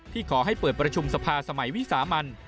ขอให้เปิดประชุมสภาสมัยวิสามัน